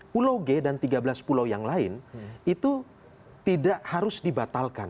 pulau g dan tiga belas pulau yang lain itu tidak harus dibatalkan